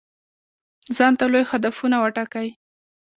ځانته لوی هدفونه وټاکئ.